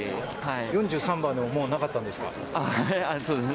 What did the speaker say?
４３番でももうなかったんですか。